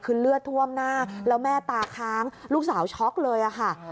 คือเลือดท่วมหน้าแล้วแม่ตาค้างลูกสาวช็อกเลยค่ะ